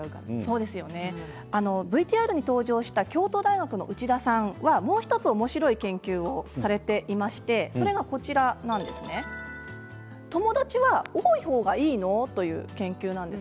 ＶＴＲに登場した京都大学の内田さんは、もう１つおもしろい研究をされていまして友達は多い方がいいの？という研究なんです。